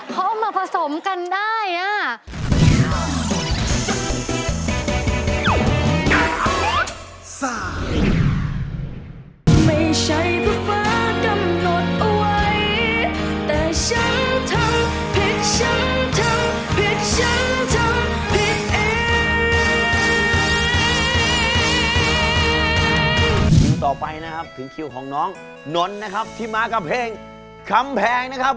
ปาอันคือกับดักหันหัวใจ